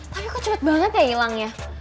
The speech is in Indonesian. tapi kok cepet banget ya hilangnya